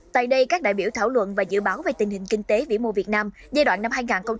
tại đây các đại biểu thảo luận và dự báo về tình hình kinh tế vĩ mô việt nam giai đoạn năm hai nghìn hai mươi một hai nghìn ba mươi